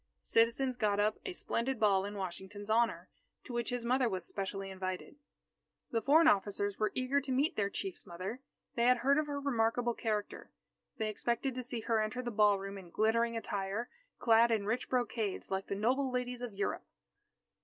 The citizens got up a splendid ball in Washington's honour, to which his mother was specially invited. The foreign officers were eager to meet their Chief's mother. They had heard of her remarkable character. They expected to see her enter the ballroom in glittering attire, clad in rich brocades, like the noble ladies of Europe.